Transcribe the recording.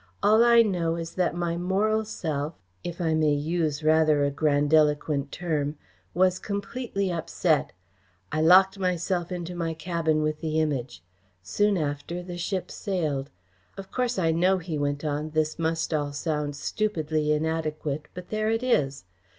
"All I know is that my moral self if I may use rather a grandiloquent term was completely upset. I locked myself into my cabin with the Image. Soon after the ship sailed. Of course I know," he went on, "this must all sound stupidly inadequate, but there it is.